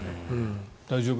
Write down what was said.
大丈夫？